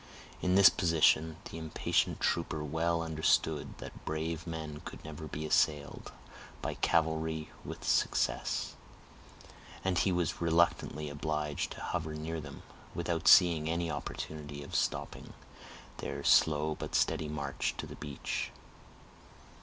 In this position, the impatient trooper well understood that brave men could never be assailed by cavalry with success, and he was reluctantly obliged to hover near them, without seeing any opportunity of stopping their slow but steady march to the beach.